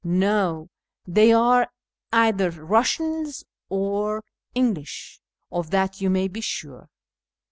No; they arc cither Kussians or English ; of that you may he sure."